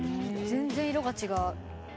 全然色が違う。